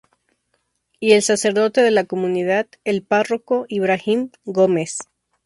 Y el sacerdote de la comunidad, el párroco Ibrahim Gómez.